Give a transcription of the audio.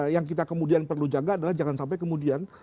yang kita kemudian perlu jaga adalah jangan sampai kemudian